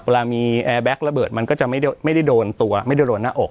เวลามีแอร์แบ็คระเบิดมันก็จะไม่ได้โดนตัวไม่ได้โดนหน้าอก